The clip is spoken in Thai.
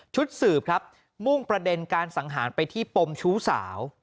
สืบครับมุ่งประเด็นการสังหารไปที่ปมชู้สาว